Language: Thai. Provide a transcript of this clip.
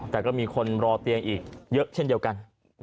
แต่ก็มีคนรอเตียงอีกเยอะเช่นเดียวกัน